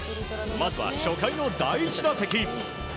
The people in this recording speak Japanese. まずは初回の第１打席。